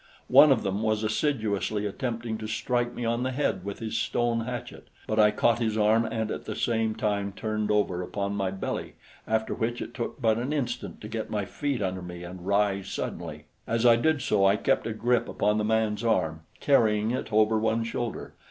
One of them was assiduously attempting to strike me on the head with his stone hatchet; but I caught his arm and at the same time turned over upon my belly, after which it took but an instant to get my feet under me and rise suddenly. As I did so, I kept a grip upon the man's arm, carrying it over one shoulder.